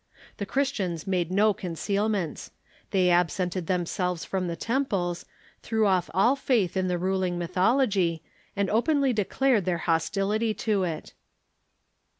The Christians made no concealments. They absented themselves from the temples, threw off all faith in the ruling mythology, and open ly declared their hostility to it.